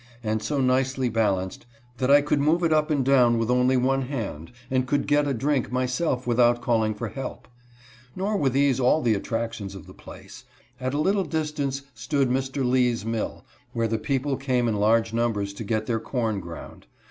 and so nicely balanced, that I could move it up and down with only one hand, and could get a drink myself without calling for help. Nor were these all the attractions of the place. At a little distance stood Mr. Lee's mill, where the people came in large numbers to get their corn ground.